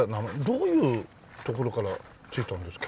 どういうところから付いたんです？